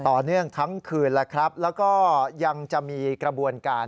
ต่อเนื่องทั้งคืนแล้วก็ยังจะมีกระบวนการ